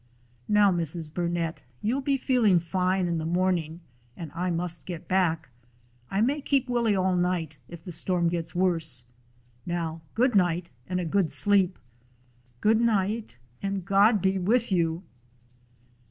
"Now, Mrs. Burnet, you 'll be feeling fine in the morning and I must get back. I may keep Willie all night, if the storm gets worse. Now good night, and a good sleep." "Good night, and God be with you."